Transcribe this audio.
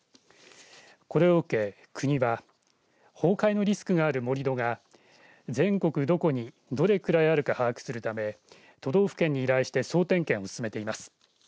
これを受け、国は崩壊のリスクがある盛り土が全国どこにどれくらいあるか把握するため都道府県に依頼して総点検を進めています。